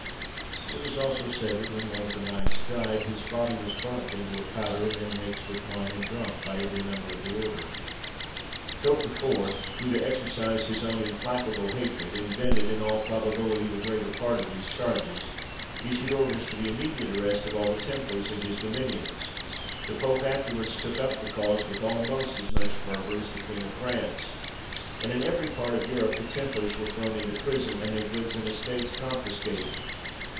It was also said that when one of the knights died, his body was burnt into a powder, and then mixed with wine and drunk by every member of the order. Philip IV., who, to exercise his own implacable hatred, invented, in all probability, the greater part of these charges, issued orders for the immediate arrest of all the Templars in his dominions. The pope afterwards took up the cause with almost as much fervour as the king of France; and in every part of Europe the Templars were thrown into prison, and their goods and estates confiscated.